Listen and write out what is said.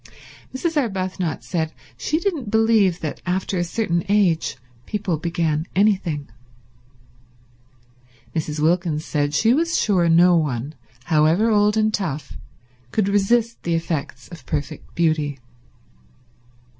Mrs. Arbuthnot said she didn't believe that after a certain age people began anything. Mrs. Wilkins said she was sure no one, however old and tough, could resist the effects of perfect beauty.